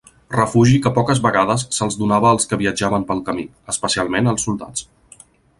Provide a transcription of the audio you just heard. Refugi que poques vegades se'ls donava als que viatjaven pel camí, especialment als soldats.